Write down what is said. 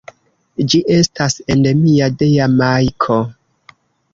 Ĝi estas endemia de Jamajko.